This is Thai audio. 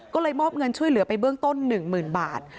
ก็เลยมอบเงินช่วยเหลือไปเบื้องต้นหนึ่งหมื่นบาท